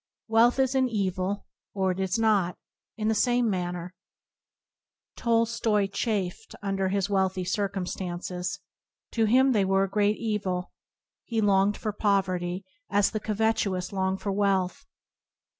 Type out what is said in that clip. Wealth is an evil or not, in the same manner. Tolstoi chafed under his wealthy circumstances. To him they were a great evil. He longed for poverty as the covetous long for wealth.